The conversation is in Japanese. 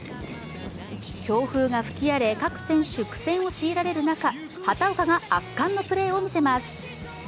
強風が吹き荒れ、各選手苦戦を強いられる中畑岡が圧巻のプレーを見せます。